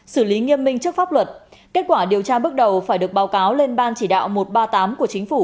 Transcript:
xử lý nghiêm minh trước pháp luật kết quả điều tra bước đầu phải được báo cáo lên ban chỉ đạo một trăm ba mươi tám của chính phủ